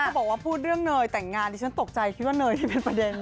บอกว่าพูดเรื่องเนยแต่งงานดิฉันตกใจคิดว่าเนยนี่เป็นประเด็น